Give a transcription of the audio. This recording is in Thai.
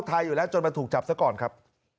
ไทยอยู่แล้วจนมาถูกจับซะก่อนครับ